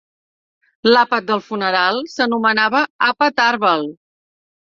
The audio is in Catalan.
L"àpat del funeral s"anomenava Àpat Arvel.